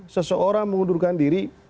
seseorang mengundurkan diri